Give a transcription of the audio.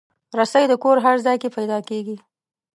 رسۍ د کور هر ځای کې پیدا کېږي.